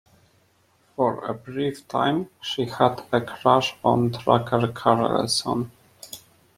For a brief time, she had a crush on Tucker Carlson.